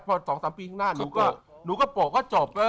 แต่พอสองสามปีหนูก็ปกก็จบ